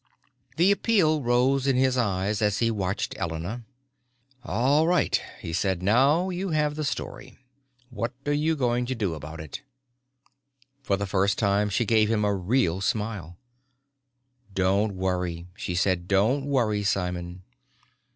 The appeal rose in his eyes as he watched Elena. "All right," he said. "Now you have the story. What are you going to do about it?" For the first time she gave him a real smile. "Don't worry," she said, "Don't worry, Simon."